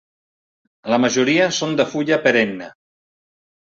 La majoria són de fulla perenne.